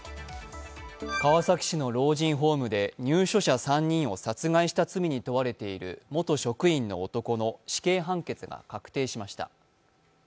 川崎市の老人ホームで入所者３人を殺害した罪に問われている元職員の男の死刑判決が確定しました。